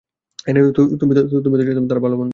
তুমি তো তার ভাল বন্ধু।